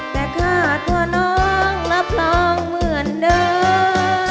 แต่คาดว่าน้องรับรองเหมือนเดิม